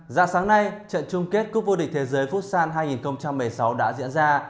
dạ sáng nay trận chung kết cúp vô địch thế giới futsal hai nghìn một mươi sáu đã diễn ra